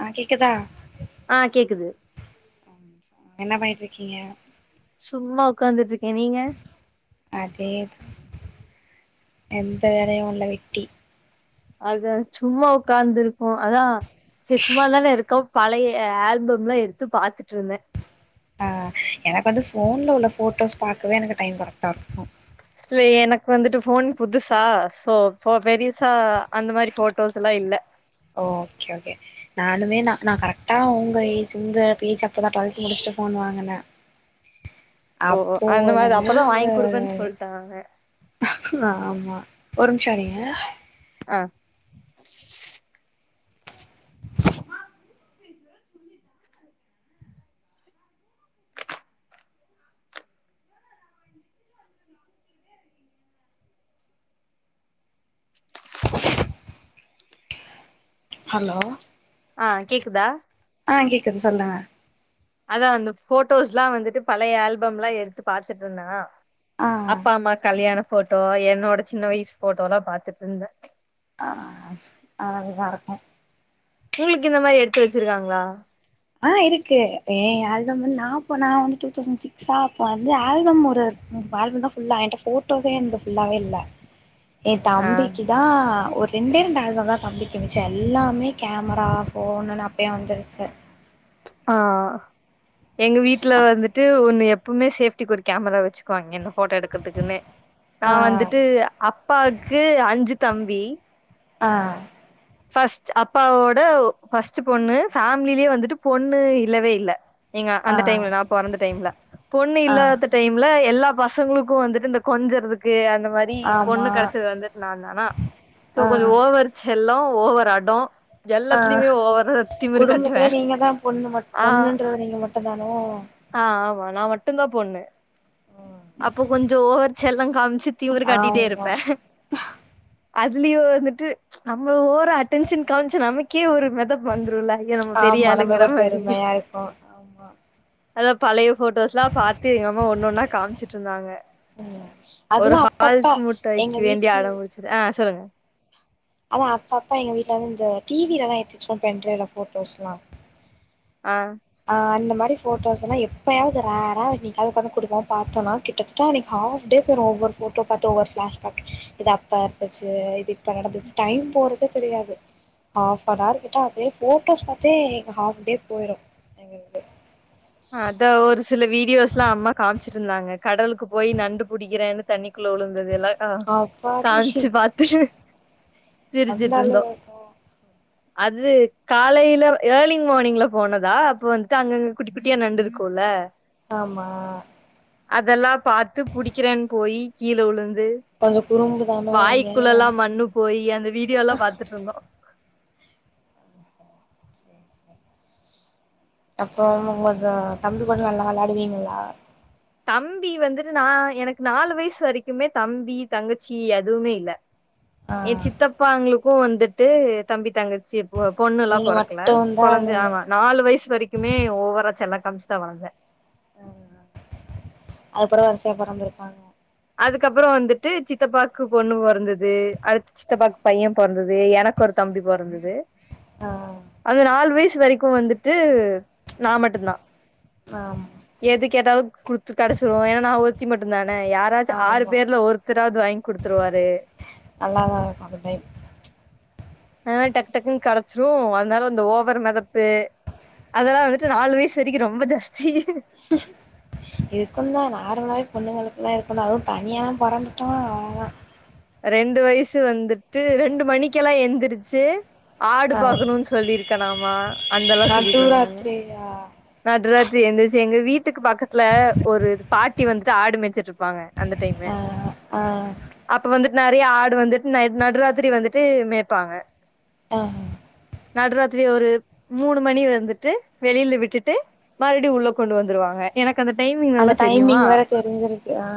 ஆ கேக்குதா ஆ கேக்குது என்ன பண்ணிட் இருக்கீங்க சும்மா உக்காந்துட்ருக்கே நீங்க அதே தா எந்த வேலையு இல்ல வெட்டி அதா சும்மா உக்காந்து இருக்கோ அதா ச்சீ சும்மாதான இருக்கொம் பழைய ஆல்பம்லா எடுத்து பாத்துட் இருந்தே ஆ எனக்கு வந்து ஃபோன்ல உள்ள ஃபோட்டோஸ் பாக்கவே எனக்கு டைம் கரெக்டா இருக்கு இல்ல எனக்கு வந்துட்டு போன் புதுசா சோ பொ பெருசா அந்த மாரி போட்டோஸ்லா இல்ல ஓ ஓகே ஓகே நானுமே நா நா கரெக்டா உங்க ஏஜ் உங்க ஏஜ் அப்பதா டுவெல்த் முடிச்சுட்டு போன் வாங்குனே ஓ அந்த அப்போல மாரி இருந்து அப்பதா வாங்கி குடுப்பேன்னு சொல்ட்டாங்க ஆமா ஒரு நிமிஷோ இருங்க அ ஹலோ ஆ கேக்குதா ஆ கேக்குது சொல்லுங்க அதா அந்த போட்டோஸ்லா வந்துட்டு பழைய ஆல்பம்லா எடுத்து பாத்துட் இருந்தேனா ஆ அப்பா அம்மா கல்யாண போட்டோ என்னோட சின்ன வயசு போட்டோலா பாத்துட் இருந்தே ஆ ச் அழகா இருக்கு உங்ளுக்கு இந்த மாரி எடுத்து வச்சிருக்காங்ளா ஆ இருக்கு ஏ ஆல்பம் வந் நா இப்ப நா வந்துட்டு டூ தெளசண்ட் சிக்ஸகா அப்ப வந்து ஆல்பம் ஒரு து எனக் ஆல்பம் தா ஃபுல்லா என்ட்ட போட்டோஸே என்து ஃபுல்லாவே இல்ல எ ஆ தம்பிக்கு தா ஒரு ரெண்டே ரெண்டு ஆல்பந்தா தம்பிக்கு மிச்ச எல்லாமே கேமரா போனு நா நெறய வந்துருச்சு ஆ எங்க வீட்ல வந்துட்டு ஒன்னு எப் போமே சேஃப்டிக்கு ஒரு கேமரா வச்சுக்குவாங்க என்ன போட்டோ எடுக்குறதுக்குன்னே நா ஆ வந்துட்டு அப் அப்பாக்கு அஞ்சு தம்பி ஆ ஃபர்ஸ்ட் அப்பாவோட ஒ ஃபர்ஸ்ட் பொண்ணு ஃபேமிலிலே வந்துட்டு பொண்ணு இல்லவே இல்ல எங்க ஆ அந்த டைம்ல நா பொறந்த டைம்ல பொண்ணு ஆ இல்லாத டைம்ல எல்லா பசங்களுக்கு வந்துட்டு இந்த கொஞ்சறதுக்கு அந்த மாரி ரி பொண்ணு ஆமா கிெடைச்சது வந்துட்டு நாந்தானா சோ ஆ கொஞ்சோ ஓவர் செல்லோ ஓவர் அடோ ஆ எல்லாத்துலயுமே ஓவரா திமிரு கட்டுவே குடும்பத்துல நீங்க தா பொண்ணு மட் ஆ பொண்ணுன்ற நீங்க மட்டுந்தானோ ஆ ஆமா நா மட்டுந்தா பொண்ணு அப்போ கொஞ்சோ ஓவர் செல்லோ காம்ச்சு திமிரு காட்டிட்டே இருப்பே ப அதுலயு வந்துட்டு நம்ம ஓறா அட்டடென்ஷன் காம்ச்சு நமக்கே ஒரு மெதப்பு வந்துருல ஏ நம்ம ஆமா பெரிய நம்மளுக்கு ஆளுங்கிற ஒரு மாரி பெருமையா இருக்கு ஆமா அதா பழைய போட்டோஸ்லா பாத்து எங்கம்மா ஒன் ஒன்னா காம்ச்சுட்டு இருந்தாங்க ம் ஒரு அதெல்லா அப்பப்ப ஹால்ஸ் எங்க முட்டாய்க்கு வேண்டி வீட்ல அடோம் புடிச்சுது ஆ சொல்லுங்க அதா அப்ப அப்ப எங்க வீட்ல வந்து இந்த டி வியில எல்லா ஏத்தி வச்சிருவோ பென்ட்ரைவ்ல போட்டோஸ்லா ஆ அ அந்த மாரி போட்டோஸ்ல்லா எப்பாவது ரேரா என்னிக்காவது கொண்ட் வந்து குடுக்கோ பாத்தோனா கிட்ட தட்ட அன்னைக்கி ஹாப் டே போயிரு ஒவ்வொரு போட்டோ பாத்து ஒவ்வோரு ஃப்ளாஷ்பேக் பாத்து இது அப்பா இருந்துச்சு இது இப்ப நடந்துச்சு டைம் போறது கூட தெரியாது ஹாப்னார் கிட்ட அப்டியே போட்டோஸ் பாத்தே எங்க ஹாப் டே போயிரு எங்களுக்கு அதா ஒரு சில வீடியோஸ்லா அம்மா காமிச்சிட்டுருந்தாங்க கடலுக்கு போயி நண்டுபுடிக்கிறேன்னு தண்ணிக்குள்ள உழுந்ததெல்லா ஆ அப்பாடி காமிச்சு பாத்து அந்த சிரிச்சுட்டு இருந்தோ அளவுக்கு அது காலையில ஏர்லிங் மார்னிங்ல போனதா அப்ப வந்துட்டு அங்கங் குட்டி குட்டியா நண்டுருக்கோல்ல ஆமா அதெல்லா பாத்து புடிக்கிறேனு போயி கீழே உழுந்து கொஞ்சோ குறும்புதானோ வாயிக்குள்ளலா நீங்க மண்ணு போயி அந்த வீடியோல்லா பாத்துட்டுர்ந்தோ அப்போ ஒங்க தம்பி கூட நல்லா வெள்ளாடுவீங்களா தம்பி வந்துட்டு நா எனக்கு நாலு வயசு வரைக்குமே தம்பி தங்கச்சி எதுவுமே இல்ல ஆ ஏ சித்தப்பாங்களுக்கு வந்துட்டு தம்பி தங்கச்சி ஒ பொண்ணுலா நீங்க பொறக்கல மட்டும்தா கொழந்த நீங்க ஆமா நாலு வயசு வரைக்குமே ஓவரா செல்ல காமிச்சி தா வளந்தே அதுக்கப்பறே வரிசையா பெறந்துருக்காங்க அதுக்கப்றோ வந்துட்டு சித்தப்பாக்கு பொண்ணு பொறந்தது அடுத்து சித்தப்பாக்கு பையே பொறந்தது எனக்கு ஒரு தம்பி பொறந்தது ஆ அது நாலு வயசு வரைக்கு வந்துட்டு நா மட்டுதா ஆம் எது கேட்டாலு குடுத்து கெடச்சிரு ஏனா நா ஒருத்தி மட்டுதானே யாராச்சு ஆறு ஆமா பேர்ல ஒருத் த்தராவது வாங்கி குடுத்துருவாரு நல்லாதாருக்கு அந்த டைம் அதனால டக்கு டக்குன்னு கடச்சிரு அதனால அந்த ஓவர் மெதப்பு அதெல்லா வந்துட்டு நாலு வயசு வரைக்கு ரொம்ப ஜாஸ்தி இதுக்கு தா நார்மலாவே பொண்ணுங்களுக்கு தா இருக்கு தா அதுவு தனியல்லா பொறந்துட்டோ அவ்ளோதா ரெண்டு வயசு வந்துட்டு ரெண்டு மணிக்கெல்லா எந்துருச்சி ஆடு ஆ பாக்கணுன் சொல்லிர்க்கனாமா அந்தெல்லா சொல்லிட்டு இருந்தாங்க யா நட்ராத்திரி எந்துச்சு எங்க வீட்டுக்கு பக்கத்துல ஒரு பாட்டி வந்துட்டு ஆடு மேச்சுட்டு இருப்பாங்க அந்த டைமு ஆ ஆ அப்ப வந்துட்டு நறைய ஆடு வந்துட்டு நைட்டு நடுராத்திரி வந்துட்டு மேப்பாங்க ஆ நடுராத்திரி ஒரு மூணு மணி வந்துட்டு வெளில விட்டுட் ட்டு மறுபடியு உள்ள கொண்டு வந்துருவாங்க எனக்கு அந்த டைமிங் அந்த நல்லா தெரியுமா டைமிங் வேற தெரிஞ்சிருக்கு ஆ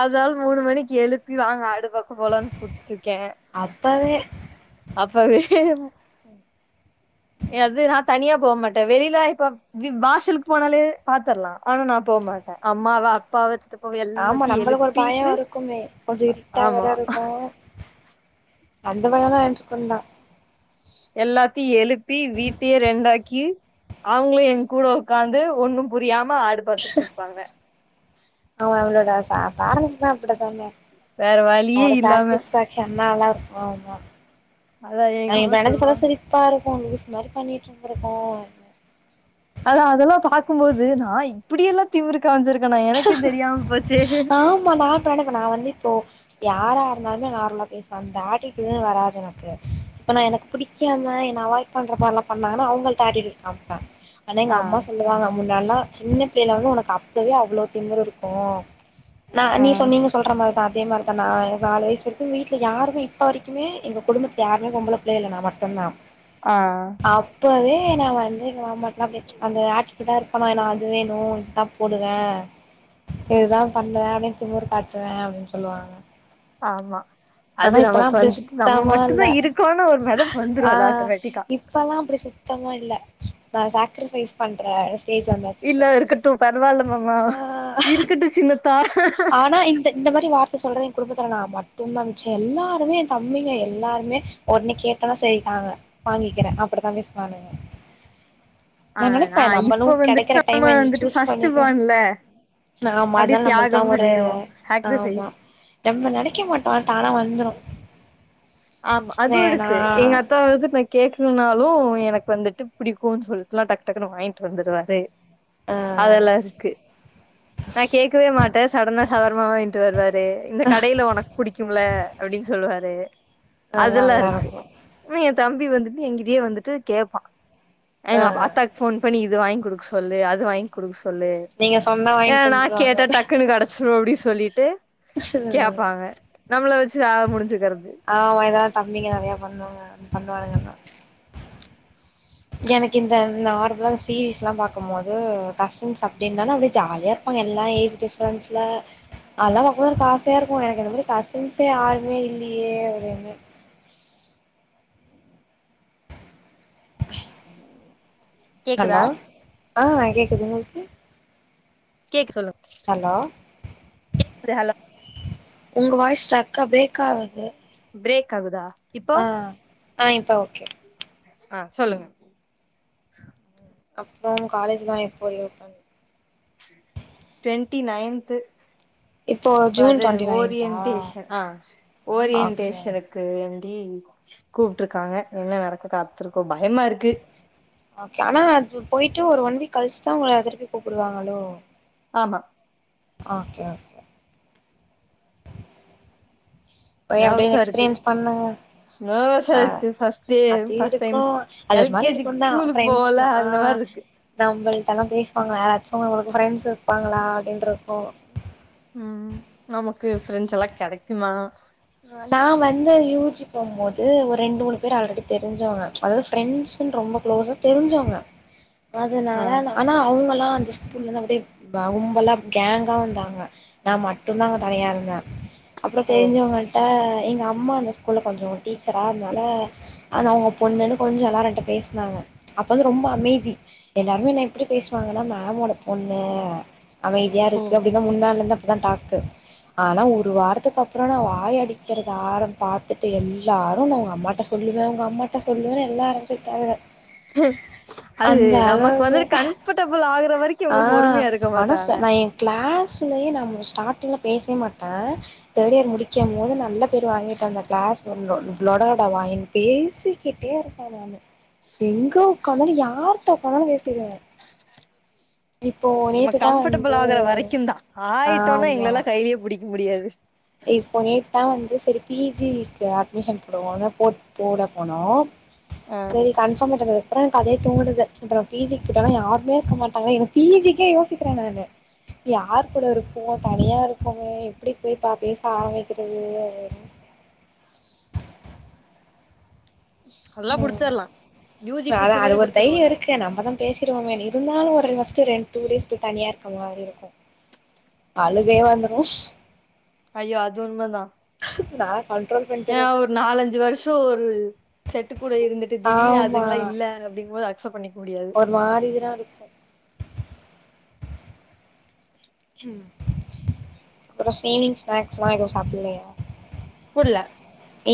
அதனால மூணு மணிக்கி எழுப்பி வாங்க ஆடு பாக்க போலான் கூப்ட்டுருக்கே அப்பவே அப்பவே எதுனா தனியா போ மாட்ட வெளிலா இப்ப வ் வாசலுக்கு போனாலே பாத்தர்லா ஆனா நா போ மாட்டே அம்மாவ அப்பாவ சித்தப் ஆமா நம்மளுக்கு ஒரு பயோ இருக்குமே கொஞ்சோ இருட்டா வேற ஆமா இருக்கு அந்த வேலன்னா ஏஞச்சி பண்லா எல்லாத்தயு எழுப்பி வீட்டயே ரெண்டாக்கி அவுங்களு எய கூட உக்காந்து ஒண்ணு புரியாம ஆடு பாத்துட்டு இருப்பாங்க அவங்க அவுங்களோட பேர்ன்ஸ்தா அப்டித்தாங்க வேற வழியே அவுங்களோட இல்லாம சக்ரிஃபைஸ் அதா எங்க [unintelligible] அம்மா நெனச்சி சொல்லுவாங்க பார்த்தா சிரிப் பாருக்கு லூசு மாரி பண்ணிட்டு இருந்திர்க்கோ அதா அதெல்லா பாக்குபோது நா இப்படியெல்லா திமுரு காமிச்சிருக்கனா எனக்கே தெரியாம போச்சே அ இப்ப நா வந்து இப்போ யாரா இருந்தாலுமே நார்மலா பேசுவ அந்த ஆட்டிட்யூட்குதுன்னு வராது எனக்கு இப்ப நா எனக்கு பிடிக்காம என்ன அவாய்ட் பண்ற மாரிலா பண்ணாங்கன்னா அவுங்களட்ட ஆட்டிட்யூட் காம்ப்ப ஆனா எங்க ஆ அம்மா சொல்லுவாங்க முன்னால்லா சின்ன பிள்ளைல வந்து உனக்கு அப்பவே அவ்ளோ திமிரு இருக்கு நா ஆ நீ சொன்ன நீங்க சொல்ற மாரி அதே மாரிதா நா நாளு வயசு வரைக்கு வீட்டுல யாருமே இப்ப வரைக்குமே எங்க குடும்பத்துல யாருமே பொம்பல இல்லல நா மட்டு தா ஆ அப்பவே நா வந்து எங்க மாமாட்டலா அப்டியே அந்த ஆட்டிட்யூட்டா இருப்பணா நா வந்து இது வேணு இது தா போடுவ இதுதா பண்ணுவ அப்டின்னு திமிரு காட்டுவ அப்படின்னு சொல்லுவாங்க ஆமா ஆனா அது இப்பல்லா நமக்கு அப்டி வந்துட்டு நம்ம சுத்தமா இல்ல மட்டுதா இருக்கோனு ஒரு மெதப்பு வந்துரு ஆ ஆட்டோமேட்டிக்கா இப்பல்லா அப்டி சுத்தமா இல்ல நா சக்ரிஃபைஸ் பண்ற ஸ்டேஜ் வந்தாச்சி ட்டு பரவால்லமாமா இருக்குட்டு சின்ன ஆனா இந்த மாரி வார்த்த சொல்றது எய குடும்பத்துல நா மட்டுதா மிச்ச எல்லாருமே எய தம்பிங்க எல்லாருமே உடனே கேட்டோனா சேரி தாங்க வாங்கிக்கிற அப்புடிதா பேசுவானுங்க நா ஆனா நெனப்ப நம்மளு இப்ப வந்துட்டு கெடைக்கிற நம்ம டைம் வந்துட்டு சூஸ் ஃபர்ஸ்ட் பண்ணிக்குவோ பார்ன்ல நா அப்டியே முதல்ல நம்பளுக்குள்ளா தியாகம் ஒரு பண்ணிருவோ ஆமா சாக்ரிஃபைஸ் நம்ப நெனைக்க மாட்டோ ஆனா தானா வந்துரு ஆமா அதுவு வேணா இருக்கு எங்க அத்த அதாவது நா கேக்குலனாலு எனக்கு வந்துட்டு புடிக்குனு சொல்லிட்டுல்லா டக்கு டக்குன்னு வாங்கிட்டு வந்துருவாரு ஆ அதெல்லா இருக்கு நா கேக்கவே மாட்ட சடனா சவரமா வாங்கிட்டு வருவாரு இந்த கடையில உனக்கு புடிக்கும்ல அப்படின்னு சொல்லுவாரு நல்லா அதெல்லா நல்லா இருக்கு உடனே எய தம்பி வந்துட்டு எங்கிட்டயே வந்துட்டு கேப்பா ஆ எங்க ப அத்தாக்கு போன் பண்ணி இது வாங்கி குடுக்க சொல்லு அது வாங்கி குடுக்க சொல்லு நீங்க சொன்னா ஏ வாங்கிட்டு நா வந்துருவாங்க கேட்ட டக்குன்னு கிடச்சிரு அப்டின்னு சொல்லிட்டு கேப்பாங்க நம்மள வச்சி வேல முடிஞ்சுக்கிறது ஆமா இதாவது தம்பிங்க நெறைய பண்ணுவாங்க பண்ணுவாங்கன்னா எல்லா எனக்கு இந்த நார்மலா சீரீஸ்லா பாக்கும்போது கசின்ஸ் அப்டின்னா தான அப்டியே ஜாலியா இருக் நெனைபா ங்க எல்லா ஏஜ் டிஃப்ரென்ஸில அதல்லா பாக்க போது எனக்கு ஆசையா இருக்கு எனக்கு இந்த மாரி கசின்ஸே யாருமே இல்லியே அப்டின்னு ஹலோ கேக்குதா ஆ கேக்குது உங்களுக்கு கேக் சொல்லுங்க ஹலோ கேக்குது ஹலோ உங்க வாய்ஸ் ஸ்ட்ரக்கா பிரேக் ஆகுது பிரேக் ஆகுதா இப்போ ஆ ஆ இப்ப ஓகே ஆ சொல்லுங்க அப்பற காலேஜ்லா எப்போ லீவ் ட்வெண்ட்டி நையன்த்து இப்போ ச ஜூன் அது டுவெண்ட்டி நைன்தா ஓரியன்டேஷன் ஆ ஓகே ஓரியன்டேஷனக் கு வேண்டி கூப்புற்றுக்காங்க என்ன நடக்க காத்துருக்கோ பயமா இருக்கு ஓகே ஆனா அது போயிட்டு ஒரு ஒன் வீக் கழிச்சுதா உங்கள திருப்பி கூப்பிடுவாங்களோ ஆமா அ அ போய் அப்பிடியே நர்வஸா இருக்கு எக்ஸ்பீரியன்ஸ் பண்ணுங்க நர்வஸா அ இருக்கு ஃபர்ஸ்ட் டே அத்தி ஃபர்ஸ்ட் டைம் இருக்கு அது எல் ஒரு மாரி கே ஜி இருக்கு தா ஸ்கூலுக்கு போவோல ப்ரெண்ஸ்லா ஆ அந்த மாரி இருக்கு நம்மள்ட்டல்லா பேசுவாங்களா ச்சு உங்களுக்கு ஃப்ரெண்ட்ஸ் இருப்பாங்களா அப்பின்ருக்கு ம் நமக்கு ப்ரெண்ட்ஸ் எல்லா கெடைக்குமா டா வந்து யூ ஜி போம்போது ஒரு ரெண்டு மூணு பேர் ஆல்ரெடி தெரிஞ்சவங்க அதாவது ஃப்ரெண்ட்ஸ் ன்று ரொம்ப க்ளோசு தெரிஞ்சவங்க ஆ அதனால நா ஆனா அவ்ங்கல்லா அந்த ஸ்கூல்ல இந்து அப்டியே ரொம்பல்லா கேங்கா வந்தாங்க நா மட்டு தா அங்க தனியா இருந்த அப்றோ ஓ தெரிஞ்சவங்க ட எங்க அம்மா அந்த ஸ்கூல்ல கொஞ்சோ டீச்சரா அன்னால ஆனா அவங்க பொண்ணுன் கொஞ்ச எல்லாரு என்ட பேஸ்னாங்க அப் வந்து ரொம்ப அமைதி எல்லாருமே என்ன எப்டி பேசுவாங்கன்னா மேமோட பொண்ணு அமைதியா ஓ இருக்கு அப்டின்னா முன்னால இருந்து அப்டிதா டாக்கு ஆனா ஒரு வாரத்துக்கு அப்புறோ நா வாய்அடி க்கிறத ஆரம் பாத்துட்டு எல்லாரு நா உங்க அம்மாட்ட சொல்லுவே உங்க அம்மாட்ட சொல்லுவே எல்லாரு ஆரம்ச் ட்டாங்க அது நமக்கு வந்து கம்ஃபர்டபுள் ஆகுற வரைக் ஆ ஆனா ச நா எ கிளாஸ்லயே நா ஸ்டார்ட்டிங்ல பேசவே மாட்டே தேர்ட் இயர் முடிக்கும் போது நல்ல பேர் வாங்கிட்டே அந்த கிளாஸ் லொடலொட வாய்ன் பேசிக்கிட்டே இரு பே நானு எங்க உக்காந்தாலு யார்ட்ட உக்காந்தாலு பேசிறுவே நம்ம நேத்துதா கம்ஃபர்டபிள் வந்து ஆகுற வரைக்கு தா ஆயிட்டோன்னா ஆமா எங்களெல்லா கையிலே புடிக் முடியாது இப்போ நேத் தா வந்து சரி பி ஜி க்கு அட்மிஷன் போடுவோன் போட் போட போனோ ஆ சரி கன்ஃபார்ம் ஆயிட்ட அப்றோ எனக்கு அதே தோனுது அப்றோ பி ஜிக் போட்டாங்னா யாருமே இருக்க மாட்டாங்க எனக்கு பி ஜிக்கே யோசிக் க்ற நானு யார் கூட இருப்போ தனியா இருக்கமே எப்டி போய் ப்ப பேச ஆரம்பிக்கறது நல்லா ம் புடிச்சிர்லா யூஜி ஆனா புடிச்ச அது மாரி ஒரு தைரியோ புடிச்சிருவல்ல இருக் கு நம்ப தா பேசிருவோமே இருந்தாலு ஒரு ஃபர்ஸ்ட் ரெண் டூ டேஸ்கு தனியா இருக்க மாரி இருக்கு அழுகையே வந்துரு ஐயோ அது உண்மதா நா கண்ட்ரோல் ஏன்னா பண்ட்டுரு ஒரு நாலஞ்சு வருஷோ ஒரு செட்டு கூட இருந்துட் டு திடீர்னு ஆமா அதுங்கல்லா இல்ல அப்டிங் போது அக்சப்ட் பண்ணிக் முடியாது மாரி தா இருக் அப்புறோ ஈவ்னிங் ஸ்நாக்ஸ்ல்லா எது சாப்பலையா புர்ல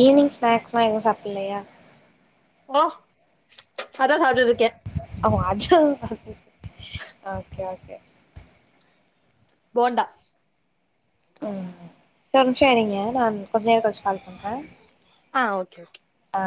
ஈவ்னிங் ஸ்நாக்ஸ்லா எது சாப்புலையா ஓ அதா சாப்ட்டுட்ருக்கே ஓ அதா ஓகே ஓகே போண்டா ம் ஒரு நிமிஷ இருங்க நா கொஞ்ச நேர கழிச் கால் பண்றே ஆ ஓகே ஓகே ஆ